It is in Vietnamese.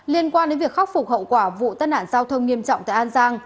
liên quan đến việc khắc phục hậu quả vụ tai nạn giao thông nghiêm trọng tại an giang